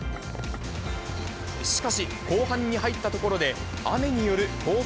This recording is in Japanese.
しかし、後半に入ったところで、雨によるコース